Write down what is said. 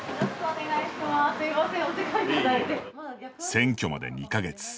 選挙まで２か月。